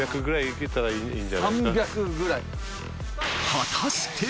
果たして。